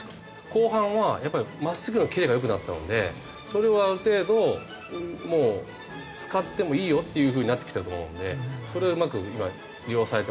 後半はやっぱりまっすぐのキレが良くなったのでそれをある程度もう使ってもいいよっていう風になってきたと思うのでそれをうまく今利用されてますね。